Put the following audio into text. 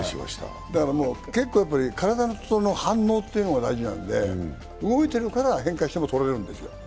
結構体の反応というのが大事なんで、動いてるから変化してもとれるんですよ。